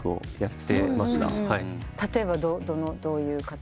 例えばどういう方ですか？